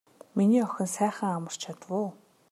Миний охин сайхан амарч чадав уу.